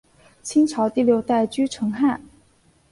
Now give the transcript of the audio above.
清朝第六代车臣汗。